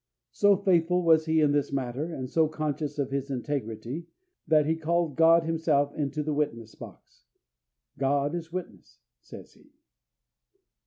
So faithful was he in this matter, and so conscious of his integrity, that he called God Himself into the witness box. "God is witness," says he.